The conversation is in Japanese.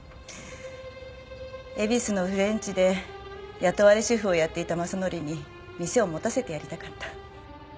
恵比寿のフレンチで雇われシェフをやっていた正範に店を持たせてやりたかった。